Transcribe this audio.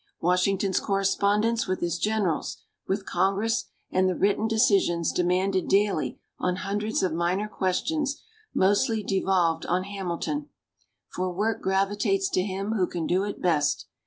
Washington's correspondence with his generals, with Congress, and the written decisions demanded daily on hundreds of minor questions, mostly devolved on Hamilton, for work gravitates to him who can do it best.